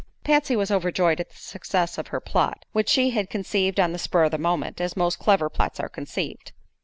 Patsy was overjoyed at the success of her plot, which she had conceived on the spur of the moment, as most clever plots are conceived.